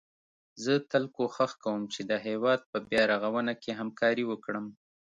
زه تل کوښښ کوم چي د هيواد په بيا رغونه کي همکاري وکړم